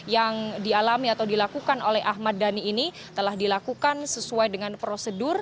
yang dialami atau dilakukan oleh ahmad dhani ini telah dilakukan sesuai dengan prosedur